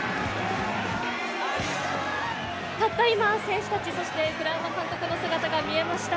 たった今、選手たち、栗山監督の姿が見えました。